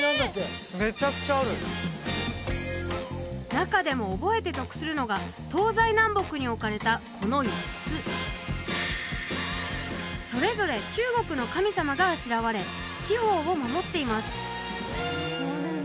中でも覚えて得するのが東西南北に置かれたこの４つそれぞれ中国の神様があしらわれ四方を守っています